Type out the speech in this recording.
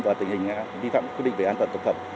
và tình hình vi phạm quy định về an toàn thực phẩm